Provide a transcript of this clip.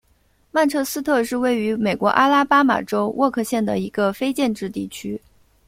曼彻斯特是位于美国阿拉巴马州沃克县的一个非建制地区。